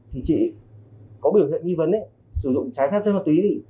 thì chị có biểu hiện nghi vấn sử dụng trái phép ma túy